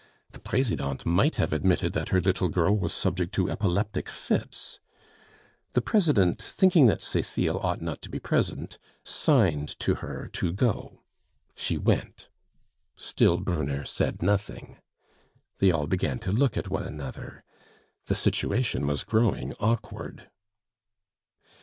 The Presidente might have admitted that her "little girl" was subject to epileptic fits. The President, thinking that Cecile ought not to be present, signed to her to go. She went. Still Brunner said nothing. They all began to look at one another. The situation was growing awkward.